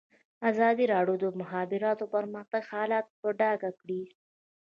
ازادي راډیو د د مخابراتو پرمختګ حالت په ډاګه کړی.